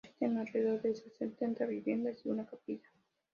Consiste en alrededor de sesenta viviendas y una capilla.